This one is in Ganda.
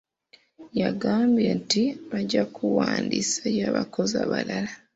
Yagambye nti bajja kuwandiisaayo abakozi abalala.